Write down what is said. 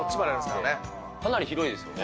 かなり広いですよね。